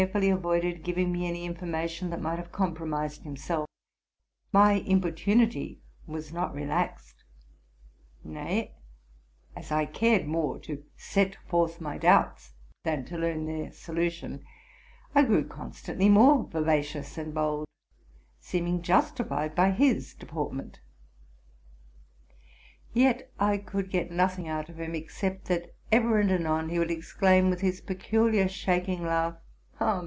106 TRUTH AND FICTION fully avoided giving me any information that might have compromised himself, my importunity was not relaxed; nay, as I cared more to set forth my doubts than to learn their solution, I grew constantly more vivacious and bold, seem ing justified by his deportment. Yet I could get nothing out of him, except that ever and anon he would exclaim with his peculiar, shaking laugh, '' Ah!